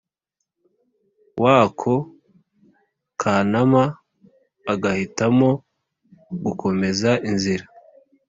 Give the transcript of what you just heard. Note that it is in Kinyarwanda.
w ako kanama agahitamo gukomeza inzira